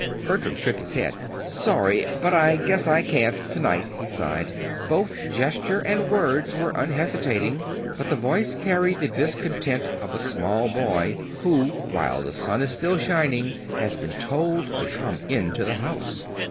Bertram shook his head. "Sorry but I guess I can't, to night," he sighed. Both gesture and words were unhesitating, but the voice carried the discontent of a small boy, who, while the sun is still shining, has been told to come into the house.